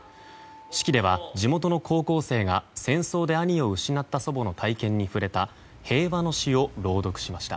式では地元の高校生が戦争で兄を失った祖母の体験に触れた平和の詩を朗読しました。